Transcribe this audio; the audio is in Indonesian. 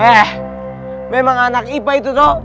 eh memang anak ipa itu toh